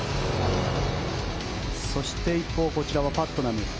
そして一方、こちらはパットナム。